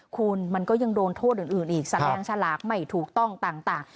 คุณมันก็ยังโดนโทษอื่นอีกแสดงฉลากไม่ถูกต้องต่าง